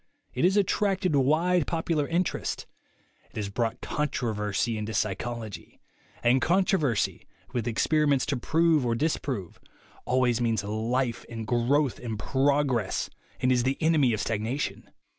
It has attracted wide popular interest. It has brought controversy into psychology; and contro versy, with experiments to prove or disprove, always means life and growth and progress, and is the enemy of stagnation.